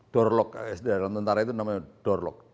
dalam tentara itu namanya door lock